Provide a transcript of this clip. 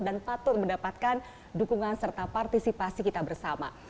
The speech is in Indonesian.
dan patut mendapatkan dukungan serta partisipasi kita bersama